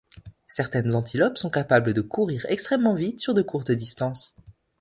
Certaines antilopes sont capables de courir extrêmement vite sur de courtes distances.